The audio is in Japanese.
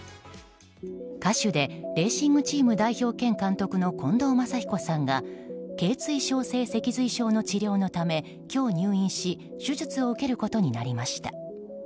歌手でレーシングチーム代表兼監督の近藤真彦さんが頚椎症性脊髄症の治療のため今日、入院し手術を受けることになりました。